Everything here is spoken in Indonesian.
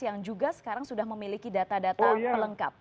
yang juga sekarang sudah memiliki data data pelengkap